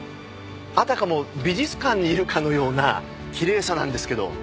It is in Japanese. あたかも美術館にいるかようなきれいさなんですけど。